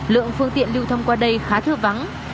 lượng phương tiện lưu thông qua đây khá thưa vắng